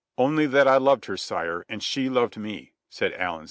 "Only that I loved her, sire, and that she loved me," said Allan.